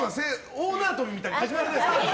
大縄跳びみたいに始まらないですから。